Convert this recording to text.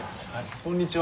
こんにちは。